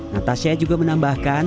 natasya juga menambahkan